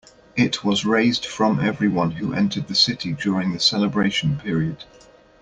It was raised from everyone who entered the city during the celebration period.